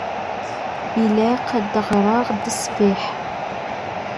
Ilaq ad ɣreɣ d aṣbiḥ.